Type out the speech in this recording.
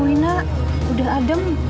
wina udah adem